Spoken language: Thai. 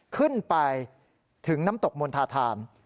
ขึ้นไปถึงน้ำตกมณฑาธาม